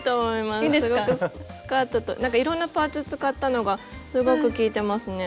なんかいろんなパーツ使ったのがすごく効いてますね。